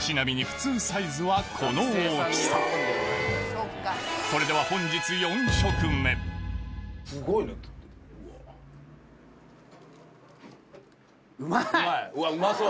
ちなみに普通サイズはこの大きさそれでは本日４食目うまそう。